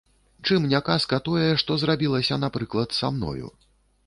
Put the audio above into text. Чым не казка тое, што зрабілася, напрыклад, са мною?